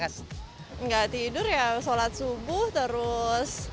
tidak tidur ya sholat subuh terus